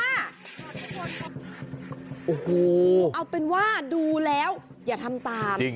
โอ้โฮจริงจริงเอาเป็นว่าดูแล้วอย่าทำตาม